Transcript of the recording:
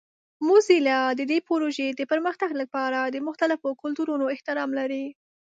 موزیلا د دې پروژې د پرمختګ لپاره د مختلفو کلتورونو احترام لري.